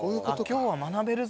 今日は学べるぞ。